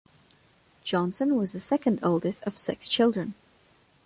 Johnson was the second-oldest of six children.